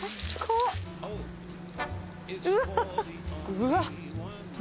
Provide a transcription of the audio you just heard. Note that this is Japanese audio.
うわっ！